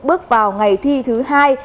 bước vào ngày thi thứ hai